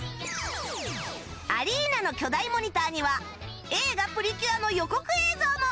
アリーナの巨大モニターには映画『プリキュア』の予告映像も！